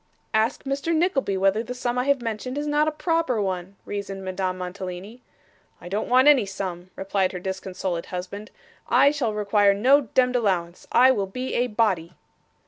'Ask Mr. Nickleby whether the sum I have mentioned is not a proper one,' reasoned Madame Mantalini. 'I don't want any sum,' replied her disconsolate husband; 'I shall require no demd allowance. I will be a body.